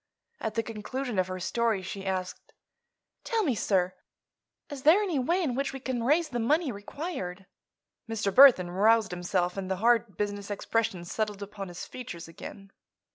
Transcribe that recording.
At the conclusion of her story she asked: "Tell me, sir, is there any way in which we can raise the money required?" Mr. Burthon roused himself and the hard business expression settled upon his features again.